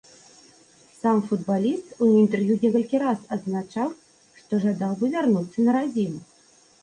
Сам футбаліст у інтэрв'ю некалькі раз адзначаў, што жадаў бы вярнуцца на радзіму.